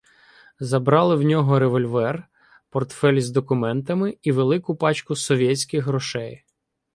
Забрали в нього револьвер, портфель із документами і велику пачку совєтських грошей.